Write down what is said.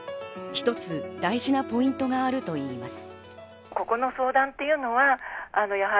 一つ大事なポイントがあるといいます。